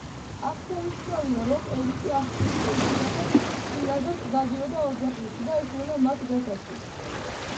აღსანიშნავია, რომ ერიკი არც თუ ისე იშვიათად, პირადად დადიოდა ოჯახებში და ისმენდა მათ გასაჭირს.